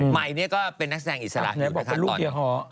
ไหมเนี่ยก็เป็นนักแสดงอิสระไปอยู่นะครับตอนนี้ไหนบอกเป็นลูกเฮียฮอ